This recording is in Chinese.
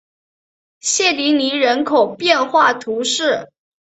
谢迪尼人口变化图示